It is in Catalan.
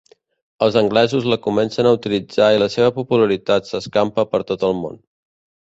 Els anglesos la comencen a utilitzar i la seva popularitat s'escampa per tot el món.